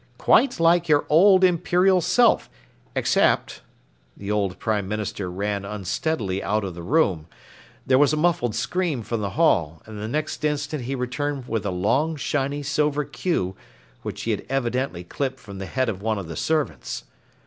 "Quite like your old Imperial Self, except " The old Prime Minister ran unsteadily out of the room. There was a muffled scream from the hall, and the next instant he returned with a long, shiny, silver queue which he had evidently clipped from the head of one of the servants.